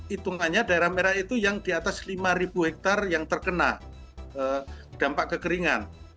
hitungannya daerah merah itu yang di atas lima hektare yang terkena dampak kekeringan